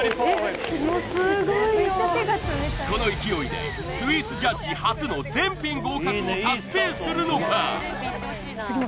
もうすごいよこの勢いでスイーツジャッジ初の全品合格を達成するのか？